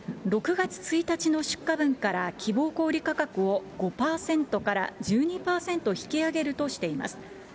６月１日の出荷分から、希望小売り価格を５％から１２％引き上げるとしています。